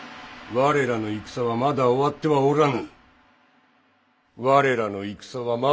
我らの戦はまだ終わってはおらぬ！